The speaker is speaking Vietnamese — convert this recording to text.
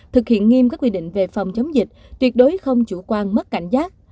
thực hiện nghiêm các quy định về phòng chống dịch tuyệt đối không chủ quan mất cảnh giác